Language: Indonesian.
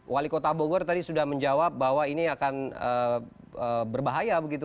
wali kota bogor tadi sudah menjawab bahwa ini akan berbahaya begitu